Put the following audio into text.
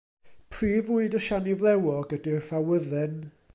Prif fwyd y siani flewog ydy'r ffawydden.